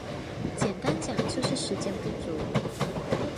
简单讲就是时间不足